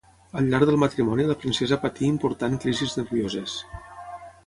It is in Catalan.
Al llarg del matrimoni la princesa patí important crisis nervioses.